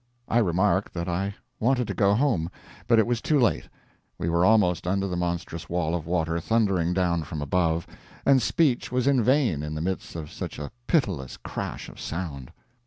I remarked that I wanted to go home; but it was too late. We were almost under the monstrous wall of water thundering down from above, and speech was in vain in the midst of such a pitiless crash of sound.